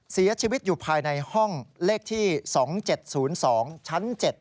เสียชีวิตอยู่ภายในห้องเลขที่๒๗๐๒ชั้น๗